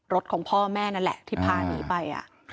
ของพ่อแม่นั่นแหละที่พาหนีไป